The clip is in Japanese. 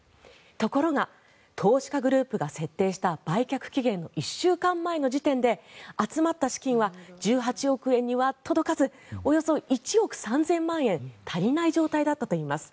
ところが、投資家グループが設定した売却期限１週間前の時点で集まった資金は１８億円には届かずおよそ１億３０００万円足りない状態だったといいます。